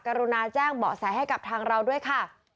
รุณาแจ้งเบาะแสให้กับทางเราด้วยค่ะ